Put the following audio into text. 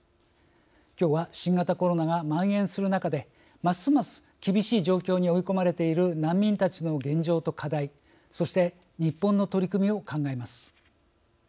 きょうは新型コロナがまん延する中でますます厳しい状況に追い込まれている難民たちの現状と課題そして日本の取り組みを考えます。